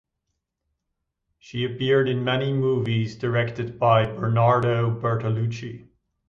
She appeared in many movies directed by Bernardo Bertolucci.